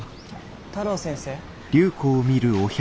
太郎先生。